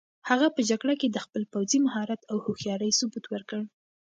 هغه په جګړه کې د خپل پوځي مهارت او هوښیارۍ ثبوت ورکړ.